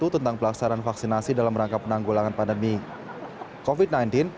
tentang pelaksanaan vaksinasi dalam rangka penanggulangan pandemi covid sembilan belas